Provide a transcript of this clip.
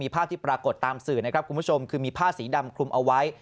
ภาพที่ปรากฏตามสื่อนะครับคุณผู้ชมคือมีผ้าสีดำคลุมเอาไว้